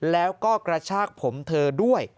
แล้วก็กระชากผมเธอด้วย